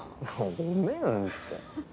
ごめんって。